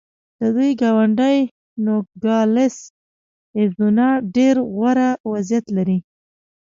د دوی ګاونډی نوګالس اریزونا ډېر غوره وضعیت لري.